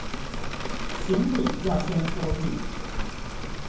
行李要先托運